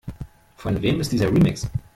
Von wem ist dieser Remix?